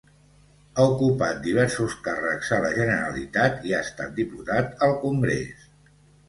Ha ocupat diversos càrrecs a la Generalitat i ha estat diputat al Congrés.